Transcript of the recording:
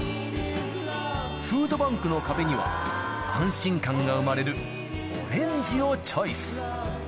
フードバンクの壁には、安心感が生まれるオレンジをチョイス。